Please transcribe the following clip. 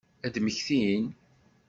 Ad mmektin?